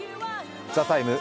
「ＴＨＥＴＩＭＥ，」